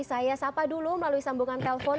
saya sapa dulu melalui sambungan telpon